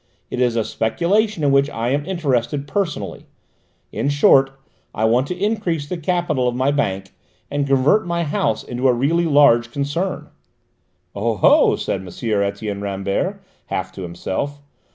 It is a speculation in which I am interested personally: in short, I want to increase the capital of my Bank, and convert my House into a really large concern." "Oh ho!" said M. Etienne Rambert, half to himself.